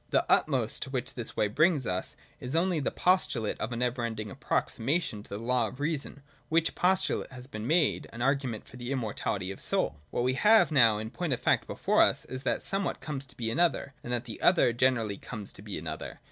The utmost to which this way brings us is only the postulate of a never ending approximation to the law of Reason : which postulate has been made an argument for the immortality of the soul. 95.] (7) What we now in point of fact have before us, is that somewhat comes to be an other, and that the other generally comes to be an other.